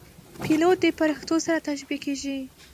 پیلوټ د پرښتو سره تشبیه کېږي.